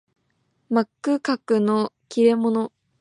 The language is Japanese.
幕閣の利れ者